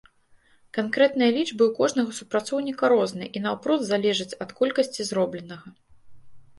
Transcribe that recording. Канкрэтныя лічбы ў кожнага супрацоўніка розныя і наўпрост залежаць ад колькасці зробленага.